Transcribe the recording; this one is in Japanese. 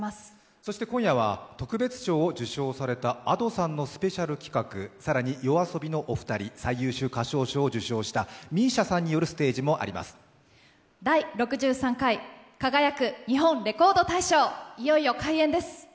そして今夜は特別賞を受賞されたＡｄｏさんのスペシャル企画更にＹＯＡＳＯＢＩのお二人、最優秀歌唱賞を受賞した「第６３回輝く！